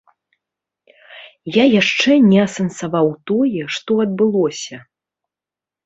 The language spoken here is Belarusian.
Я яшчэ не асэнсаваў тое, што адбылося.